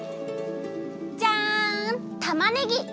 じゃんたまねぎ！